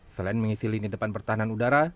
selain mengisi lini depan pertahanan udara